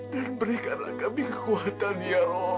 dan berikanlah kami kekuatan ya allah